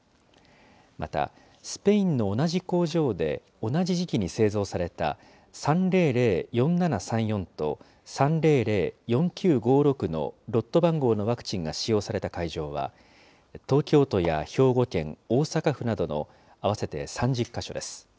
またスペインの同じ工場で同じ時期に製造された、３００４７３４と３００４９５６のロット番号のワクチンが使用された会場は、東京都や兵庫県、大阪府などの合わせて３０か所です。